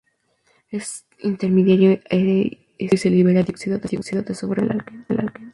Este intermediario es inestable y se libera dióxido de azufre para formar el alqueno.